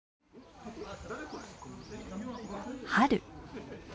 春。